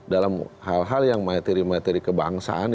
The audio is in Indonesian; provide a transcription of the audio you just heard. dalam hal hal yang materi materi kebangsaan